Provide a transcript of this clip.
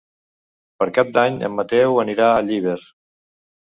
Per Cap d'Any en Mateu anirà a Llíber.